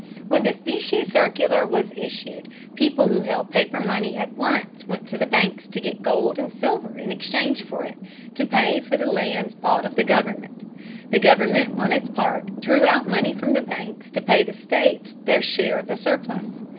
When the Specie Circular was issued, people who held paper money at once went to the banks to get gold and silver in exchange for it to pay for the lands bought of the government. The government on its part drew out money from the banks to pay the states their share of the surplus.